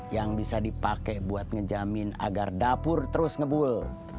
yang bisa dipakai buat ngejamin agar dapur terus ngebul